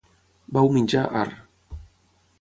Vau menjar arr